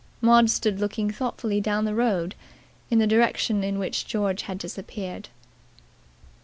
Maud stood looking thoughtfully down the road in the direction in which George had disappeared.